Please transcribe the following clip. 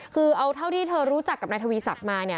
คือเอาเท่าที่เธอรู้จักกับนายทวีศักดิ์มาเนี่ย